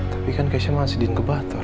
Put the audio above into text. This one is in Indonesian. tapi kan keisha masih di ngebator